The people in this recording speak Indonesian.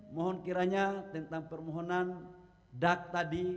mohon kiranya tentang permohonan dak tadi